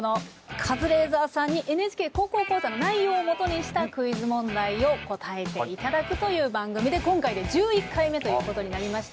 カズレーザーさんに「ＮＨＫ高校講座」の内容をもとにしたクイズ問題を答えていただくという番組で今回で１１回目ということになりました。